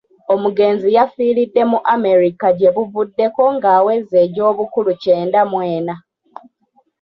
Omugenzi yafiiridde mu America gyebuvuddeko ng'aweza egy'obukulu kyenda mw'enna.